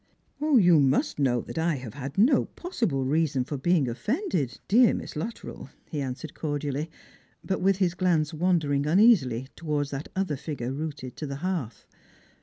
'" You must know that I have had no possible roason for being offended, dear Miss Luttrell," he answered cordially, but with his glance wandering uneasily towards that other figure rooted to the hearth.